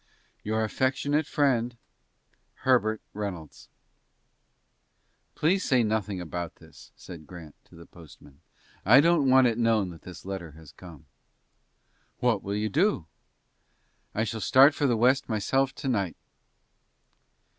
Your affectionate friend, "HERBERT REYNOLDS." "Please say nothing about this," said Grant to the postman. "I don't want it known that this letter has come." "What will you do?" "I shall start for the West myself to night."